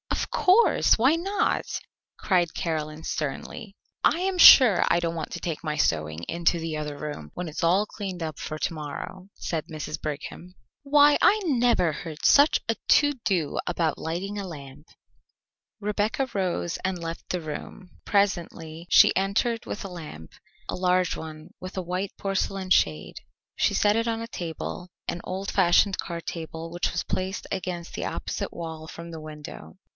"Of course! Why not?" cried Caroline sternly. "I am sure I don't want to take my sewing into the other room, when it is all cleaned up for to morrow," said Mrs. Brigham. "Why, I never heard such a to do about lighting a lamp." Rebecca rose and left the room. Presently she entered with a lamp a large one with a white porcelain shade. She set it on a table, an old fashioned card table which was placed against the opposite wall from the window.